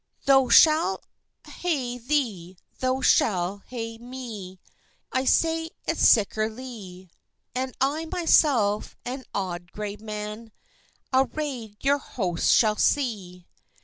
"Thou shall ha'e thae, thou shall ha'e mae; I say it sickerlie; And I myself, an auld gray man, Array'd your host shall see."